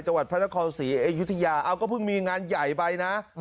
จังหวัดพระนครศรีอยุธยาเอาก็เพิ่งมีงานใหญ่ไปนะ